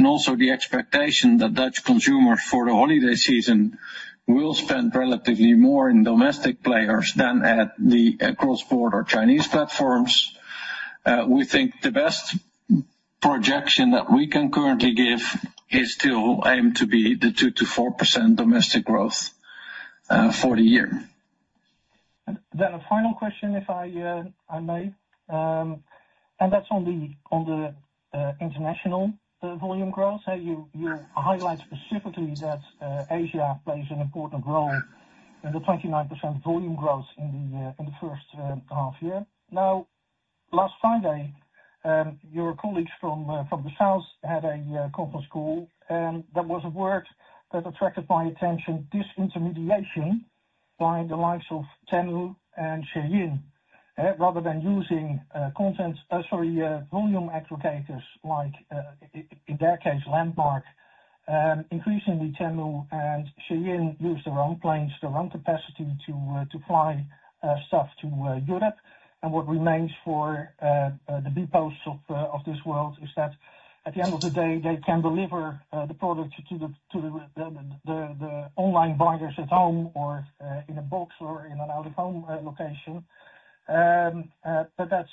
and also the expectation that Dutch consumers for the holiday season will spend relatively more in domestic players than at the cross-border Chinese platforms. We think the best projection that we can currently give is to aim to be the 2%-4% domestic growth for the year. Then a final question, if I may, and that's on the international volume growth. How you highlight specifically that Asia plays an important role in the 29% volume growth in the first half year. Now, last Friday, your colleagues from the south had a conference call, and there was a word that attracted my attention, disintermediation, by the likes of Temu and SHEIN, rather than using content, sorry, volume aggregators, like, in their case, Landmark. Increasingly, SHEIN and Temu use their own planes, their own capacity to fly stuff to Europe. And what remains for the bpost's of this world is that at the end of the day, they can deliver the product to the online buyers at home or in a box or in an out-of-home location. But that's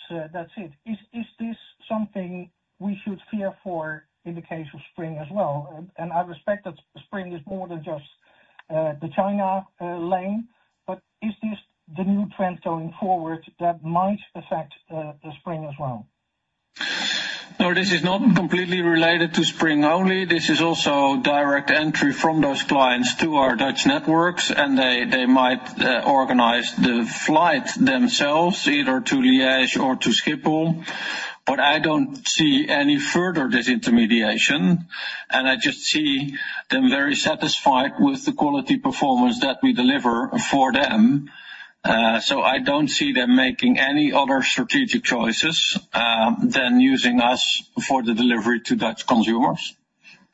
it. Is this something we should fear for in the case of Spring as well? And I respect that Spring is more than just the China lane, but is this the new trend going forward that might affect the Spring as well? No, this is not completely related to Spring only. This is also direct entry from those clients to our Dutch networks, and they, they might organize the flight themselves, either to Liege or to Schiphol, but I don't see any further disintermediation. And I just see them very satisfied with the quality performance that we deliver for them. So I don't see them making any other strategic choices than using us for the delivery to Dutch consumers.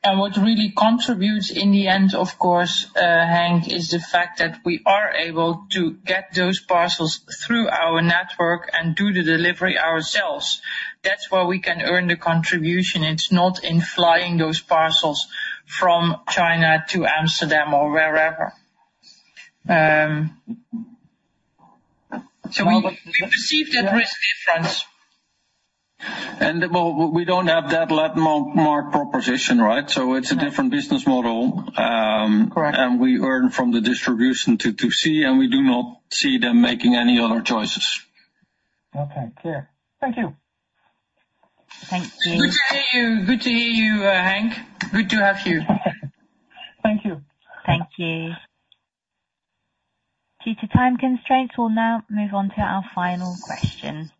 And what really contributes in the end, of course, Henk, is the fact that we are able to get those parcels through our network and do the delivery ourselves. That's where we can earn the contribution. It's not in flying those parcels from China to Amsterdam or wherever. So we've received that risk difference. Well, we don't have that Landmark proposition, right? So it's a different business model. Correct. And we earn from the distribution to see, and we do not see them making any other choices. Okay. Clear. Thank you. Thank you. Good to hear you. Good to hear you, Henk. Good to have you. Thank you. Thank you. Due to time constraints, we'll now move on to our final question.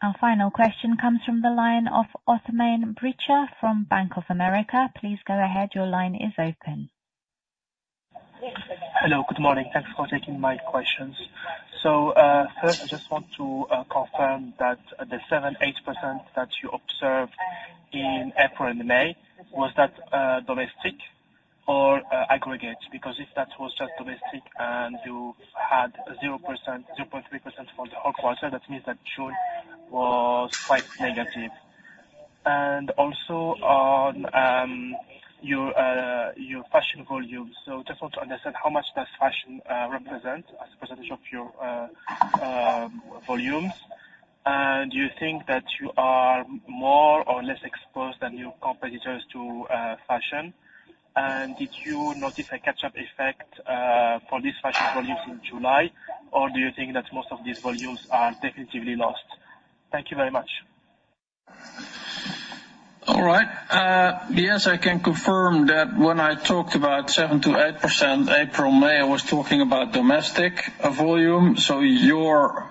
Our final question comes from the line of Othmane Bricha from Bank of America. Please go ahead. Your line is open. Hello, good morning. Thanks for taking my questions. So, first, I just want to confirm that the 7-8% that you observed in April and May, was that domestic or aggregate? Because if that was just domestic and you had 0%, 0.3% for the whole quarter, that means that June was quite negative. And also on your fashion volumes, so just want to understand how much does fashion represent as a percentage of your volumes? And do you think that you are more or less exposed than your competitors to fashion? And did you notice a catch-up effect for these fashion volumes in July, or do you think that most of these volumes are definitively lost? Thank you very much. All right. Yes, I can confirm that when I talked about 7%-8% April, May, I was talking about domestic volume. So your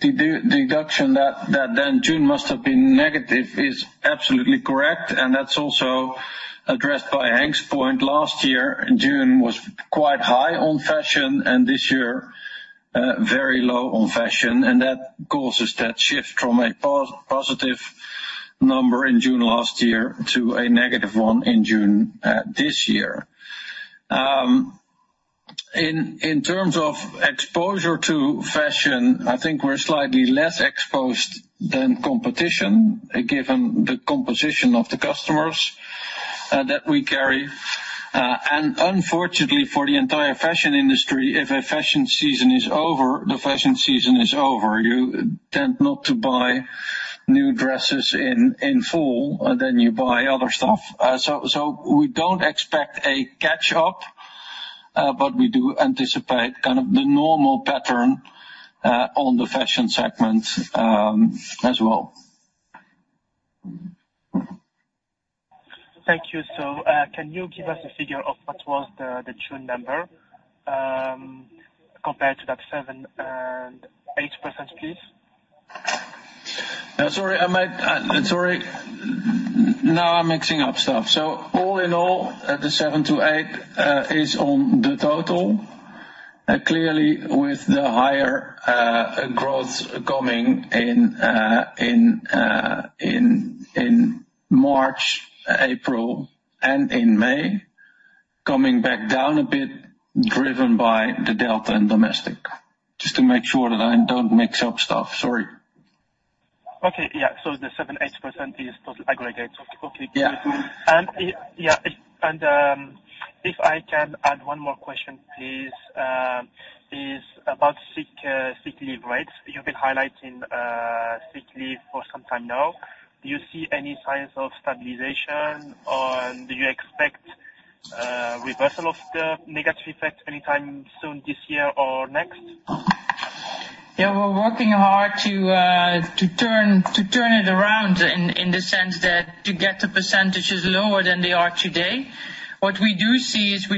deduction that then June must have been negative is absolutely correct, and that's also addressed by Henk's point. Last year, June was quite high on fashion, and this year very low on fashion, and that causes that shift from a positive number in June last year to a negative one in June this year. In terms of exposure to fashion, I think we're slightly less exposed than competition, given the composition of the customers that we carry. And unfortunately for the entire fashion industry, if a fashion season is over, the fashion season is over. You tend not to buy new dresses in full, then you buy other stuff. So, so we don't expect a catch-up, but we do anticipate kind of the normal pattern on the fashion segment, as well. Thank you. So, can you give us a figure of what was the, the June number, compared to that 7% and 8%, please? Sorry, I might... Sorry, now I'm mixing up stuff. So all in all, the 7-8 is on the total. Clearly, with the higher growth coming in in March, April, and in May, coming back down a bit, driven by the delta and domestic. Just to make sure that I don't mix up stuff. Sorry. Okay. Yeah, so the 7.8% is total aggregate. So okay. Yeah. If I can add one more question, please, it is about sick leave rates. You've been highlighting sick leave for some time now. Do you see any signs of stabilization, or do you expect reversal of the negative effect anytime soon this year or next? Yeah, we're working hard to turn it around in the sense that to get the percentages lower than they are today. What we do see is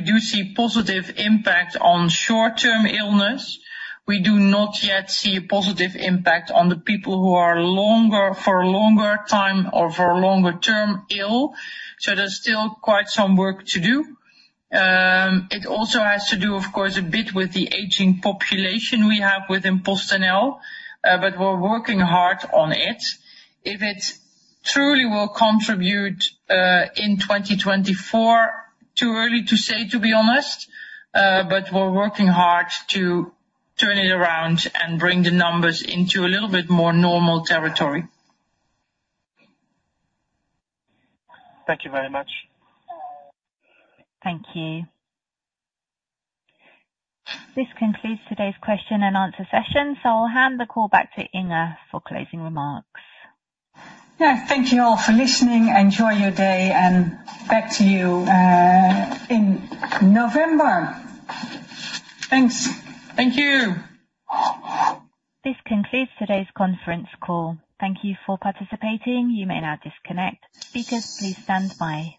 positive impact on short-term illness. We do not yet see a positive impact on the people who are longer, for a longer time or for longer-term ill, so there's still quite some work to do. It also has to do, of course, a bit with the aging population we have within PostNL, but we're working hard on it. If it truly will contribute in 2024, too early to say, to be honest, but we're working hard to turn it around and bring the numbers into a little bit more normal territory. Thank you very much. Thank you. This concludes today's question and answer session, so I'll hand the call back to Inge for closing remarks. Yeah, thank you all for listening. Enjoy your day, and back to you in November. Thanks. Thank you. This concludes today's conference call. Thank you for participating. You may now disconnect. Speakers, please stand by.